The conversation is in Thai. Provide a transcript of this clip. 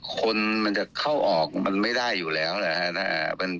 คนมันจะเข้าออกมันไม่ได้อยู่แล้วนะครับ